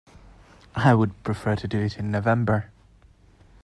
I would prefer to do it in November.